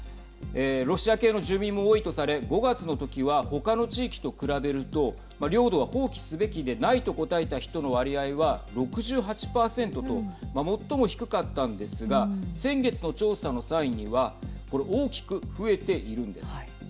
ロシア系の住民も多いとされ５月の時は他の地域と比べると領土は放棄すべきでないと答えた人の割合は６８％と最も低かったんですが先月の調査の際にはこれ、大きく増えているんです。